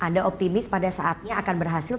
anda optimis pada saatnya akan berhasil